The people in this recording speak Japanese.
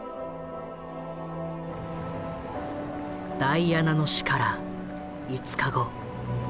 ダイアナの死から５日後。